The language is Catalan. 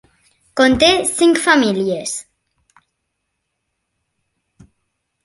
Conté cinc famílies.